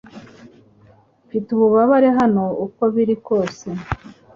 Mfite ububabare hano uko biri kose